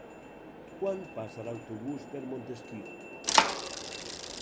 Quan passa l'autobús per Montesquiu?